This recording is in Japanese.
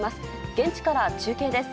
現地から中継です。